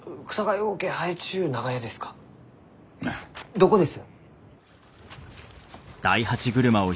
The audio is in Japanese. どこです？